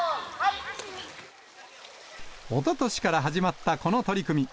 おととしから始まったこの取り組み。